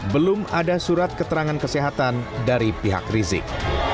belum ada surat keterangan kesehatan dari pihak rizik